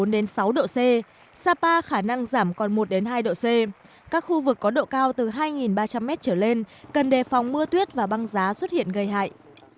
đến sáu độ c sapa khả năng giảm còn một hai độ c các khu vực có độ cao từ hai ba trăm linh m trở lên cần đề phòng mưa tuyết và băng giá xuất hiện gây hại